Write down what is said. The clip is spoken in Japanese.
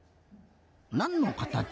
なんのかたち？